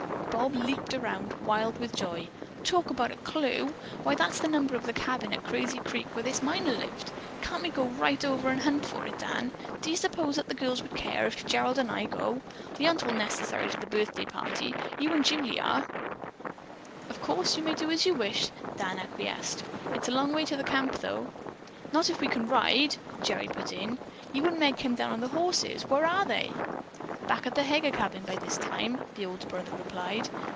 Bob leaped around wild with joy. "Talk about a clue! Why, that's the number of the cabin at Crazy Creek where this miner lived. Can't we go right over and hunt for it, Dan? Do you suppose that the girls would care if Gerald and I go? We aren't at all necessary to the birthday party. You and Julie are." "Of course, you may do as you wish," Dan acquiesced. "It's a long way to the camp, though." "Not if we can ride," Gerry put in. "You and Meg came down on the horses. Where are they?" "Back at the Heger cabin by this time," the older brother replied.